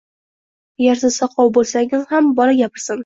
Agar siz soqov bo'lsangiz ham, bola gapirsin...